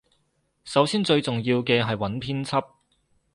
首先最重要嘅係揾編輯